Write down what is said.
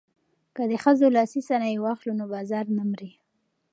که د ښځو لاسي صنایع واخلو نو بازار نه مري.